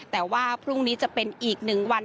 แต่ว่าพรุ่งนี้จะเป็นอีก๑วัน